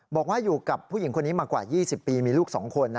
บอกว่าอยู่กับผู้หญิงคนนี้มากว่า๒๐ปีมีลูก๒คน